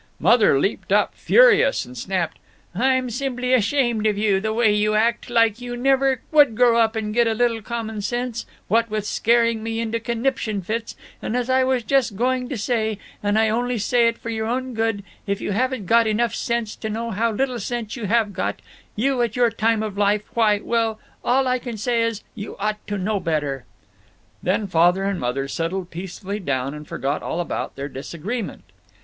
Mother leaped up, furious, and snapped, "I'm simply ashamed of you, the way you act, like you never would grow up and get a little common sense, what with scaring me into conniption fits, and as I was just going to say, and I only say it for your own good, if you haven't got enough sense to know how little sense you have got, you at your time of life, why, well, all I can say is you ought to know better." Then Father and Mother settled peacefully down and forgot all about their disagreement.